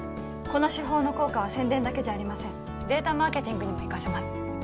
この手法の効果は宣伝だけじゃありませんデータマーケティングにも生かせます